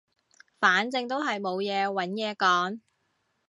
反正都係冇嘢揾嘢講